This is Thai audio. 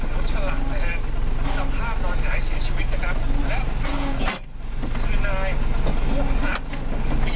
คุณคือนายคุณมหักเปลี่ยนอยู่๔๑ปี